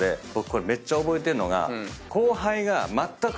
これめっちゃ覚えてるのが。